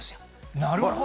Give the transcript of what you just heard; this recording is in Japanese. なるほど。